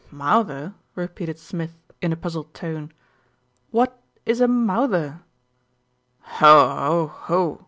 "Mawther," repeated Smith in a puzzled tone. "What is a mawther?" "Ho! ho! ho!"